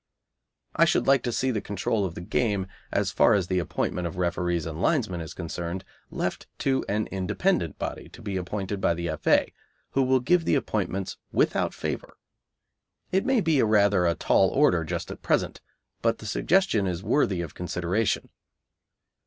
I should like to see the control of the game, as far as the appointment of referees and linesmen is concerned, left to an independent body to be appointed by the F.A., who will give the appointments without favour. It may be rather a tall order just at present, but the suggestion is worthy of consideration.